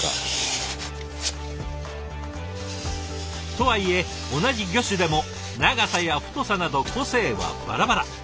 とはいえ同じ魚種でも長さや太さなど個性はバラバラ。